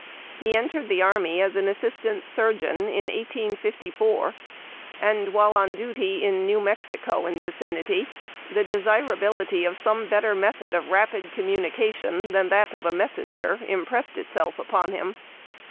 He entered the army as assistant surgeon in 1854, and, while on duty in New Mexico and vicinity, the desirability of some better method of rapid communication than that of a messenger impressed itself upon him.